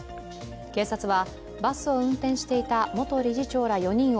警察はバスを運転していた元理事長ら４人を。